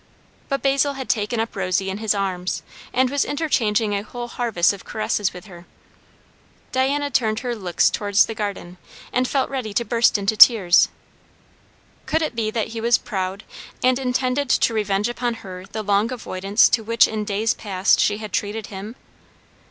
But Basil had taken up Rosy into his arms, and was interchanging a whole harvest of caresses with her. Diana turned her looks towards the garden, and felt ready to burst into tears. Could it be that he was proud, and intended to revenge upon her the long avoidance to which in days past she had treated him?